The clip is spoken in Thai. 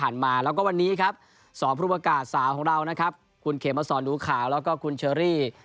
แล้วก็วันนี้สองพุพกาสาวของเราคุณเขมสนนุข่าวคุณเชอรี่